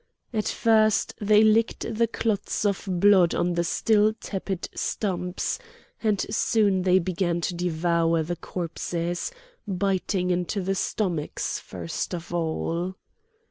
At first they licked the clots of blood on the still tepid stumps; and soon they began to devour the corpses, biting into the stomachs first of all.